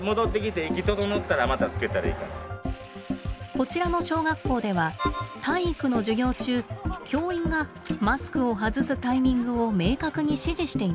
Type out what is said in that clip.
こちらの小学校では体育の授業中教員がマスクを外すタイミングを明確に指示しています。